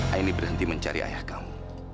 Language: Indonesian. aini berhenti mencari ayah kamu